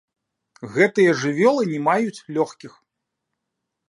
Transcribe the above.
Гэтыя жывёлы не маюць лёгкіх.